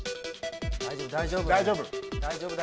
大丈夫大丈夫。